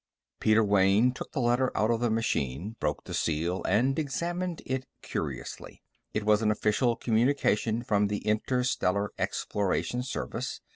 _ Peter Wayne took the letter out of the machine, broke the seal, and examined it curiously. It was an official communication from the Interstellar Exploration Service.